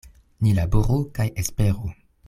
Ni laboru kaj esperu.